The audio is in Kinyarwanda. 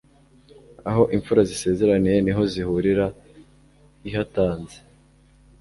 aho imfura zisezeraniye niho zihurira ihatanze